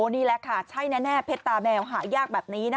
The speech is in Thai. นี่แหละค่ะใช่แน่เพชรตาแมวหายากแบบนี้นะคะ